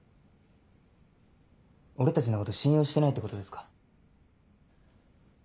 俺たちのこと信用してないってことですか？